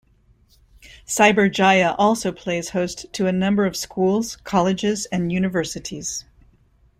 Cyberjaya also plays host to a number of schools, colleges and Universities.